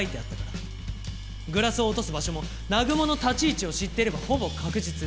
グラスを落とす場所も南雲の立ち位置を知っていればほぼ確実。